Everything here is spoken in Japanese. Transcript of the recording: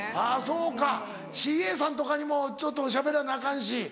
あそうかＣＡさんとかにもちょっとしゃべらなアカンし。